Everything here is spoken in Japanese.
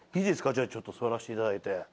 じゃあちょっと座らせて頂いて。